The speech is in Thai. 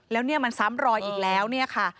แล้วเนี่ยมันซ้ำรอยอีกแล้วเนี่ยค่ะ